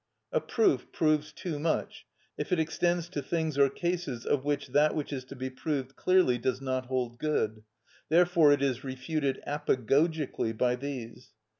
A proof proves too much if it extends to things or cases of which that which is to be proved clearly does not hold good; therefore it is refuted apagogically by these.